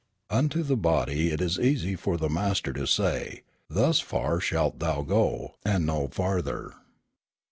II Unto the body it is easy for the master to say, "Thus far shalt thou go, and no farther."